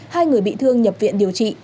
hai người bị thương nhập viện điều trị